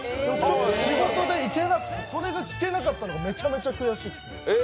仕事で行けなくて、それが聴けなかったのがめちゃくちゃ悔しい。